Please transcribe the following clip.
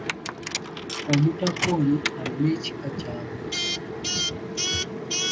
Omutaka ono alina ekika ky'akulira.